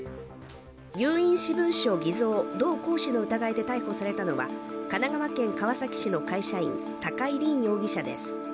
有印紙文書偽造・同行使の疑いで逮捕されたのは神奈川県川崎市の会社員高井凜容疑者です。